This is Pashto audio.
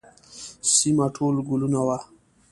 سیمه ټول ګلونه وه.